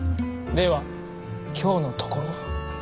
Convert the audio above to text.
では今日のところは。